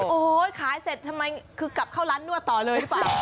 โอ้โหขายเสร็จทำไมคือกลับเข้าร้านนวดต่อเลยหรือเปล่า